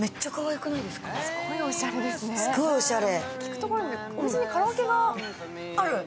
すごいおしゃれ。